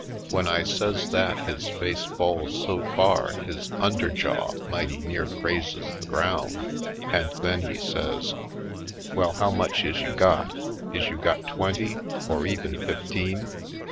When I says that his face falls so far his under jaw mighty near grazes the ground, and then he says: "Well, how much is you got? Is you got twenty — or even fifteen?"